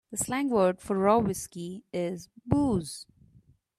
The slang word for raw whiskey is booze.